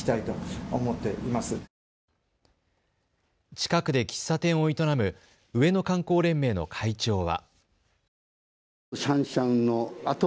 近くで喫茶店を営む上野観光連盟の会長は。